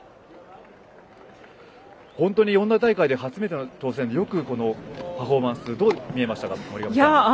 本当に四大大会初めての挑戦でよくパフォーマンスどう見えましたか？